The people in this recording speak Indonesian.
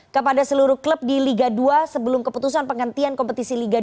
kepada seluruh klub di liga dua sebelum keputusan penghentian kompetisi liga dua